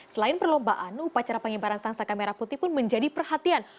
selain perlombaan upacara pengibaran sang saka merah putih pun menjadi perhatian